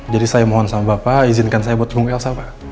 jadi saya mohon sama bapak izinkan saya buat dukung elsa pak